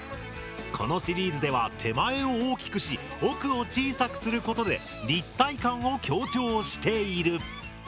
このシリーズでは手前を大きくし奥を小さくすることで立体感を強調している。